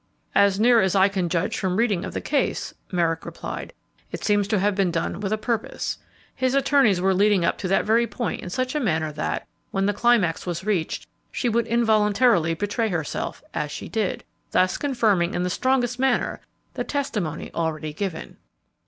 "As near as I can judge from reading of the case," Merrick replied, "it seems to have been done with a purpose. His attorneys were leading up to that very point in such a manner that, when the climax was reached, she would involuntarily betray herself as she did thus confirming in the strongest manner the testimony already given."